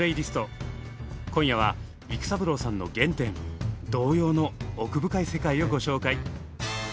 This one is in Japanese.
今夜は育三郎さんの原点「童謡」の奥深い世界をご紹介。